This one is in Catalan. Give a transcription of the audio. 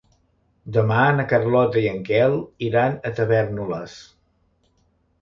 Demà na Carlota i en Quel iran a Tavèrnoles.